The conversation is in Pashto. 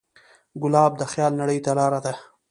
ګلاب د خیال نړۍ ته لاره ده.